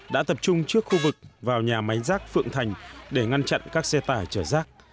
đã tập trung trước khu vực vào nhà máy rác phượng thành để ngăn chặn các xe tải chở rác